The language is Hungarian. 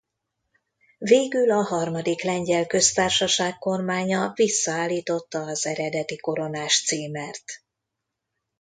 Végül a Harmadik Lengyel Köztársaság kormánya visszaállította az eredeti koronás címert.